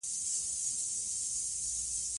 ازادي راډیو د سوله بدلونونه څارلي.